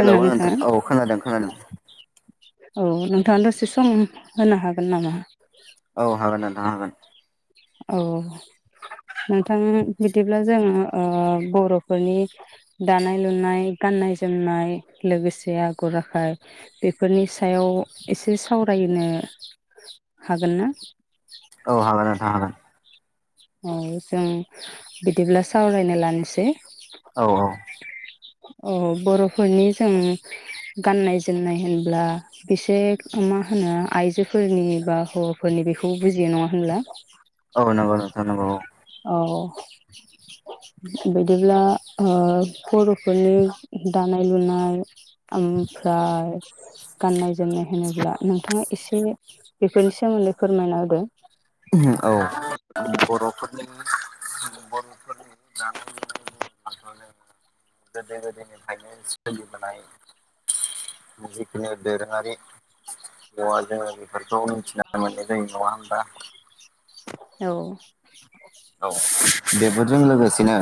Hello नोंथां नोंथाङा औ खोनादों खोनादों। औ नोंथाङा दसे सम होनो हागोन नामा? औ हागोन नोंथां हागोन। औ नोंथां बिदिब्ला जोङो ओ बर'फोरनि दानाय लुनाय गाननाय जोमनाय लोगोसे आगर आखाय बेफोरनि सायाव एसे सावरायनो हागोन ना? औ हागोन नोंथां हागोन। औ जों बिदिब्ला सावरायनो लानोसै। औ औ अ बर'फोरनि जों गाननाय जोमनाय होनब्ला बेसे मा होनो आइजोफोरनि बा हौवाफोरनि बेखौ बुजियो नङा होनब्ला? औ नंगौ नोंथां नंगौ औ। औ बिदिब्ला ओ बर'फोरनि दानाय लुनाय ओमफ्राय गाननाय जोमनाय होनोब्ला नोंथाङा एसे बेफोरनि सोमोन्दै फोरमायना होदों। औ बर'फोरनि बर'फोरनि दानाय लुनायनि होनोब्लाथ' जों गोदो गोदनिफ्रायनो सोलिबोनाय जिखुनु दोरोङारि दङ जोङो बे खौ मिथिना मोनो जों नङा होमबा? औ। औ बेफोरजों लोगोसेनो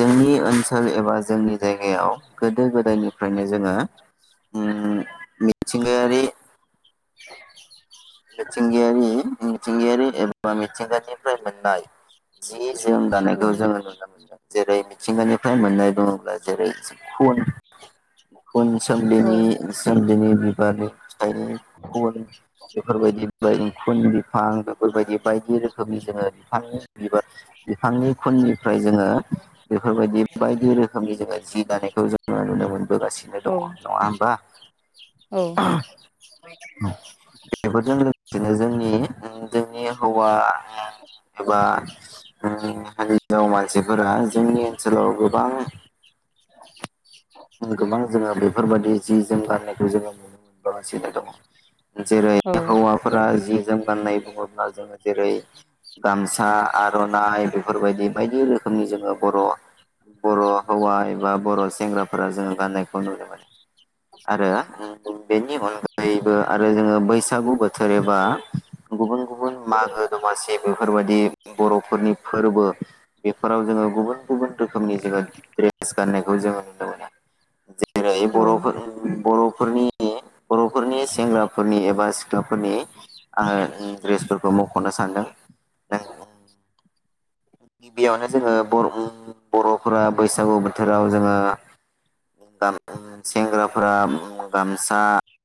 जोंनि ओनसोल एबा जोंनि जायगायाव गोदो गोदायनि फ्रायनो जोङो उम मिथिंगायारि [inaudible] मिथिंगायारि मिथिंगायारि एबा मिथिंगानिफ्राय मोननाय जि जोम दानायखौ जोङो औ नुनो मोनदों। जेरै मिथिंगानिफ्राय मोननाय बुङोब्ला जेरै खुन खुन सोमलिनि सोमलिनि बि मानि [unintelligible] बेफोरबायदि खुन बिफां बेफोरबायदि बायदि रोखोमनि जोङो बिफांनि बिबार बिफांनि खुननि ओमफ्राय जोङो बेफोरबायदि बायदि रोखोमनि जोङो जि दानायखौ जोङो नुनो मोनबोगासिनो दङ औ नङा होमबा। औ बेफोरजों लोगोसेनो जों नि जोंनि हौवा एबा ओ हिन्जाव मानसिफोरा जोंनि ओनसोलाव गोबां गोबां जोङो बेफोरबाददि जि जोम गाननायखौ जोङो नुनो मोनबोगासिनो दङ। जेरै औ हौवाफोरा जि जोम गान्नाय बुङोब्ला जोङो जेरै गामसा आर'नाइ बेफोरबायदि बायदि रोखोमनि जोङो बर' बर' हौवा एबा बर' सेंग्रा फोरा जोंङो गाननायखौ नुनो मोनो आरो बेनि अनगायैबो आरो जोङो बैसागु बोथोर एबा गुबुन गुबुन मागो दमासि बेफोरबायदि बर'फोरनि फोरबो बेफोराव जोङो गुबुन गुबुन रोखोमनि जोङो ड्रेस गाननायखौ जोङो [unintelligible] जे जेरै औ बर'फोर बर' फोरनि बर'फोरनि सेंग्राफोरनि एबा सिख्लाफोरनि आङो ड्रेसफोरखौ मख'नो सानदों। गिबियावनो जोङो बर' ओ बर'फोरा बैसागु बोथोराव जोङो सेंग्राफोरा गामसा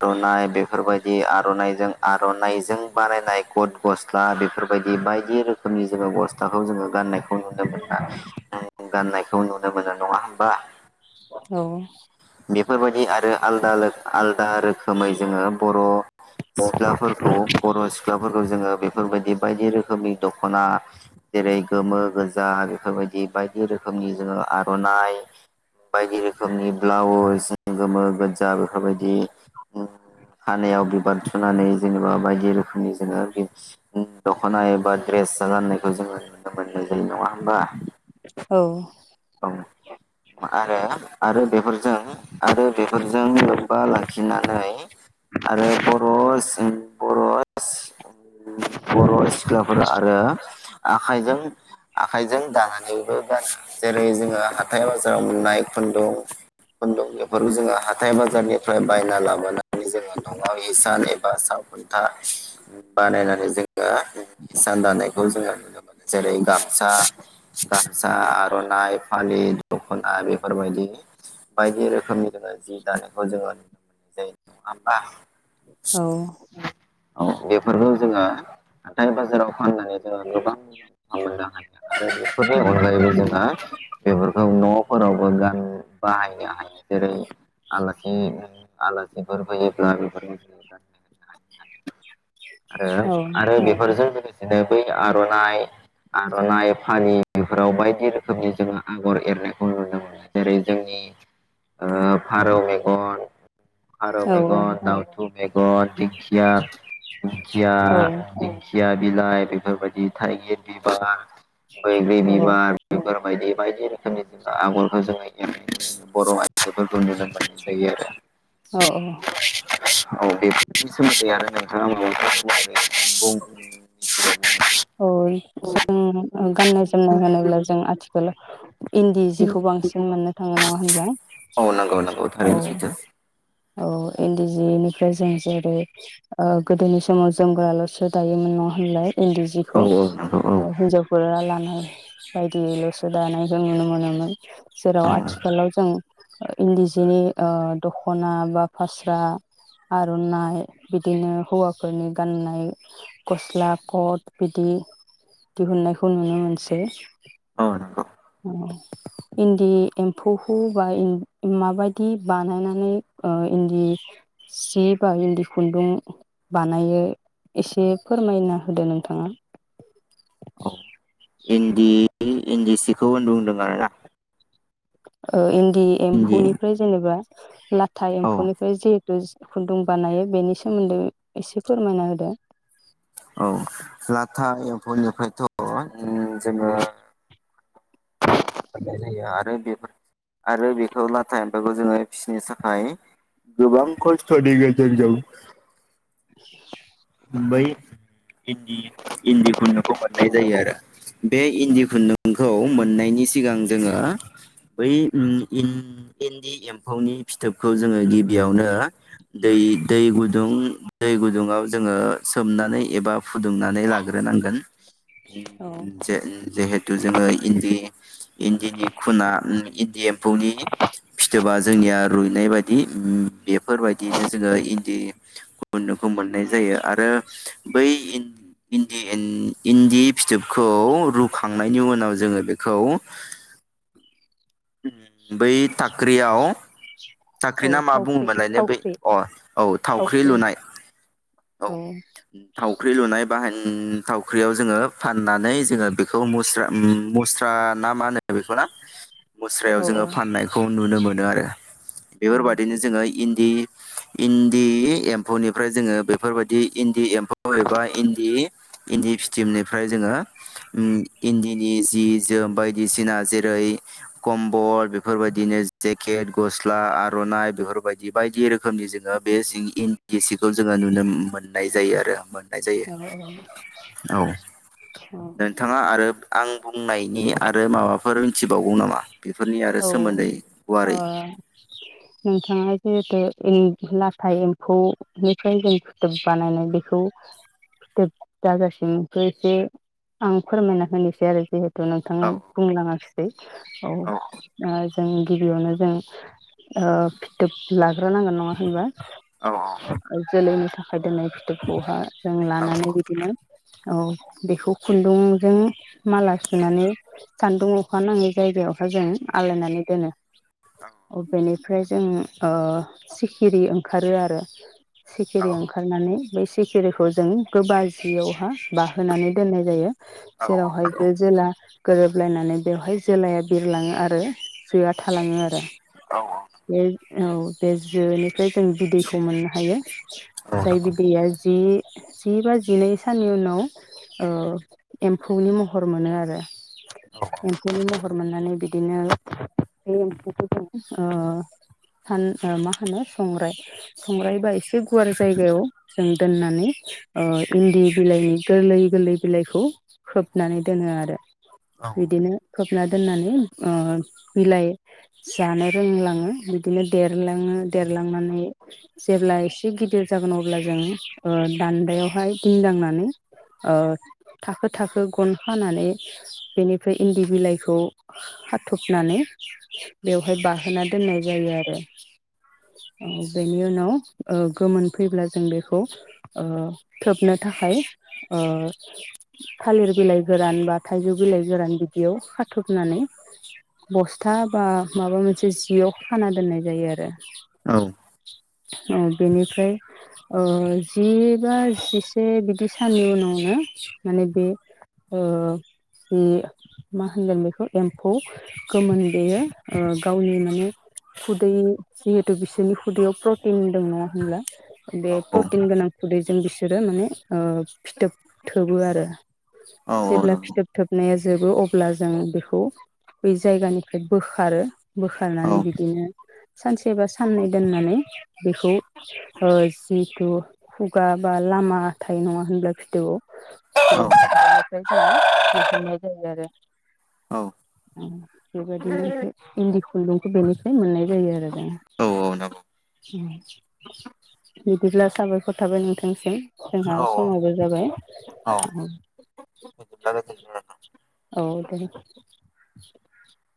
आर'नाइ बेफोरबायदि आर'नाइजों आर'नाइजों बानायनाय गद गस्ला बेफोरबायदि बायदि रोखोमनि जोङो गस्लाखौ जोम गाननायखौ नुनो मोना गाननायखौ नुनो मोननाय नङा होमबा। औ। बेफोरबायदि आरो आलदा आलदा रोखोमै जोङो बर' सिख्लाफोरखौ बर' सिख्लाफोरखौ जोङो बेफोरबायदि बायदि रोखोमनि दख'ना जेरै गोमो गोजा बेफोरबायदि बायदि रोखोमनि जोङो आर'नाइ बायदि रोखोमनि ब्लाउस गोमो गोजा बेफोरबायदि खानायाव बिबार थुनानै जेनेबा बायदि रोखोमनि जोङो दख'ना एबा ड्रेस गाननायखौ जोङो नुनो मोननाय जायो नङा होमबा। औ। औ आरो आरो बेफोरजों आरो बेफोरजों लोब्बा लाखिनानै आरो बर' बर' बर' सिख्लाफोर आरो आखाइजों आखाइजों दानानैबो गानो। जेरै जोङो हाथाय बाजाराव मोननाय खुन्दुं खुन्दुं बेफोरखौ जोङो हाथाइ बाजारनिफ्राय बायना लाबोनानै जोङो न'आव हिसान एबा सालखुन्था बानायनानै जोङो हिसान दानायखौ जोङो नुनो मोनो जेरै गामसा गामसा आर'नाय फालि दख'ना बेफोरबायदि बायदि रोखोमनि जोङो जि दानायखौ जोङो नुनो मोननाय जायो नङा होमबा औ बेफोरखौ जोङो हाथाय बाजाराव फाननानै जोङो गोबां मुलामफा मोननो हायो आरो बेफोरनि अनगायैबो जों ओ बेफोरखौ न'फोरावबो गान बाहायनो हायो जेरै आलासि आलासिफोर फैयोब्ला बेफोरखौ जोङो गाननो होनो हायो। आरो औ आरो बेफोरजों लोगोसेनो बै आर'नाइ आर'नाइ फालि बेफोराव बायदि रोखोमनि जोङो आगर एरनायखौ नुनो मोनो जेरै जोंनि ओ फारौ मेगन फारौ औ मेगन दावथु मेगन दिंखिया खिया दि खिया बिलाइ बेफोरबायदि थाइगिर बिबार बैग्रि बिबार बेफोरबायदि बायदि रोखोमनि जेनेबा आगरखौ जोङो एरनो बर' आयजोफोरखौ नुनो मोननाय जायो आरो। औ औ। औ बेफोरनि सोमोन्दैयानो नों [unintelligible] [unintelligible] जों गाननाय जोमनाय होनोब्ला जों आथिखालाव इन्दि जिखौ बांसिन मोननो थाङो नङा होनब्ला औ नंगौ नंगौ औ। थारैनो सैथो औ इन्दि जिनिफ्राय जों जेरै गोदोनि समाव जोमगोराल'सो दायोमोन नङा होनलाय इन्दि औ नंगौ औ हिनजावफोरा लानानै बायदियैल'सो दानायखौ नुनो मोनोमोन। जेराव औ आथिखालाव जों। इन्दि जिनि ओ दख'ना बा फास्रा आर'नाइ बिदिनो हौवाफोरनि गाननाय गस्ला कट बिदि दिहुननायखौ नुनो मोनसै। औ नंगौ औ। इन्दि एम्फौखौ बा इन्द माबायदि बानायनानै ओ इन्दि सि बा इन्दि खुन्दुं बानायो एसे फोरमायना होदो नों? थाङा। औ इन्दि इन्दि सिखौ होन बुंदों आरोना? ओ इन्द दि एम्फौ इन्दि निफ्राय जेनेबा ब्ला। थाइ औ एम्फौनिफ्राय जिहेतु खुन्दुं बानायो बेनि सोमोन्दै एसे फोरमायना होदो? औ लाथा एम्फौनिफ्रायथ' उम जोङो लानाय जायो आरो बेफोर आरो बेखौ लाथा एम्फौखो जोङो फिसिनो थाखाय गोबां खस्थ'नि गेजेरजों [inaudible] बै इन्दि इन्दि खुन्दुंखौ मोननाय जायो आरो बे इन्दि खुन्दुंखौ मोननायनि सिगां जोङो बै उम इन्द इन्दि एम्फौनि फिथोबखौ जोङो गिबियावनो दै दै गुदुं दै गुदुङाव ज जोङो सोमनानै एबा फुदुंनानै लाग्रोनांगोन औ जे जिहेथु जोङो इन्दि इन्दिनि खुना इन्दि एम्फौनि फिथोबा जोंनिया रुइनाय बादि उम बेफोरबायदियैनो जोङो इन्दि खुन्दुंखौ मोन नाय जायो आरो बै इन्द इन्दि इन्द इन्दि फिथोबखौ रुखांनायनि उनाव जोङो बेखौ उम बै टाक्रियाव टाख्रि औ ना मा थावख्रि बुङोमोनलाय ने बै थावख्रि अ औ थावख्रि लुनाय। औ। बाहायन थावख्रियाव जोङो फाननानै जोङो बेखौ मुस्रा मुस्रा ना मा होनो बेखौ ना? मुस्रायाव औ जोङो फाननायखौ नुनो मोनो आरो बेफोरबादिनो जोङो इन्द दि इन्दि एम्फौनिफ्राय जोंङो बेफोर बेफोरबादि इन्दि एम्फौ एबा इन्दि इन्दि फिथोबनिफ्राय जोङो उम इन्दिनि जि जोम बायदिसिना जेरै-कम्बल बेफोरबायदिनो जेकेट, गस्ला, आर'नाइ बेफोरबादि बायदि रोखोमनि जोङो बे जि इन्द बिसिखौ जोङो नुनोम मोननाय जायो आरो मोननाय जायो औ औ औ नोंथाङा आरो रोब आं बुंनायनि आरो माबाफ फोर मिथिबावगौ नामा? बेफोरनि आरो औ सोमोन्दै ओ गुवारै नोंथाङा जिहेथु इन्द लाथा एम्फौनिफ्राय जों फिथोब बानायनाय बेखौ फिथोब जाजासिमखो जे आं फोरमायना होनोसै आरो एसे जिहेतु औ नोंथाङा बुंलाङाखिसै औ जों गिबियावनो जों ओब फिथोब लाथ हरग्रो नांगोन नङा होनबा जोलैनि थाखाय दोननाय फिथोबखौहाय जों लानानै बिदिनो औ बेखौ खुन्दुंजों माला सुनानै सान्दुं अखा नाङै जायगायावहा जों आलायनानै दोनो । अबेनि ओमफ्राय जों ओं सिखिरि ओंखारो आरो सिखिरि ओंखारनानै बै सिखिरिखौ जों गोबाजियावहा बाहोनानै दोननाय जायो । जेरावहाय जो जेला गोरोबलायनानै बेवहाय जोलाया बिरलाङो आरो जोआ थालाङो आरो । बे औ बे जोनि ओमफ्राय जों बिदैखौ मोननो हायो जाय बिदैया जि जि बा जिनै साननि उनाव ओ एम्फौनि महर मोनो आरो । एम्फौनि मह मोननानै बि दिनो बे ओ सान मा होनो संग्राय संग्राय बा बे गुवार जायगायाव जों दोननानै ओ इन्दि बिलाइनि गोरलै गोरलै बिलाइखौ खोबनानै दोनो आरो । बिदिनो खोब ना दोननानै ओ बिलाइ जानो रोंलाङो । बिदिनो देरलाङो देरलांनानै जेब्ला एसे गिदिर जागोन अब्ला जों ओ दान्दायावहाय दिन्दांनानै ओ थाखो थाखो गन खानानै बेनिफ्राय इन्दि बिलाइखौ खाथ'बनानै बेवहाय बाहोना दोननाय जायो आरो । बेनि उनाव ओ गोमोन फैब्ला जों बेखौ ओ थोबनो थाखाय ओ थालिर बिलाइ गोरान बा थाइजौ बिलाइ गोरान बिदियाव खाथब नानै बस्था बा माबा मोनसे जियाव खाना दोननाय जायो आरो । औ औ बेनिफ्राय ओ जि बा जिसे बिदि साननि उनावनो माने बे ओ ओम मा होनगोन बे खौ एम्फौ गोमोन बेेयो गावनि माने खुदै जिहेथु बिसोरनि खुदैयाव प्रटिन दं नङा होनब्ला बे प्रटिन गोनां खुदै जों बिसोरो माने फिथोब थोबो आरो । जेब्ला फिथोब थोब नाया जोबो अब्ला जों बेखौ बै जायगानिफ्राय बोखारो । बोखारनानै बिदिनो सानसे बा साननै दोननानै बेखौ ओ जिथु खुगा बा लामा थायो नङा होनब्ला फिथोबआव [inaudible] [unintelligible] दिहुनाय जायो आरो । ओम बेबायदिनो इन्दि खुन्दुंखौ बेनिफ्राय मोननाय जायो आरो । दा बिदिब्ला साबायखर थाबाय नोंथांसिम । औ जोंहा समाबो जाबाय औ बिदिब्ला गोजोनथों। औ दे [unintelligible]